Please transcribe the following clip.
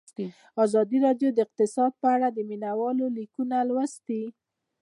ازادي راډیو د اقتصاد په اړه د مینه والو لیکونه لوستي.